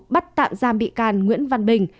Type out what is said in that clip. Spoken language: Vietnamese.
bắt tạm giam bị can nguyễn văn bình